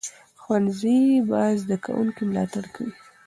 ښوونځی به د زده کوونکو ملاتړ کوي.